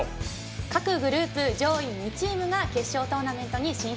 各グループ上位２チームが決勝トーナメントに進出。